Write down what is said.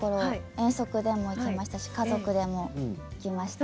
遠足でも行きましたし家族でも行きました。